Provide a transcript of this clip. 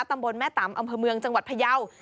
ตำบลแม่ตำอัมเมืองจังหวัดไพเยาว์